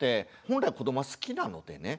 本来子どもは好きなのでね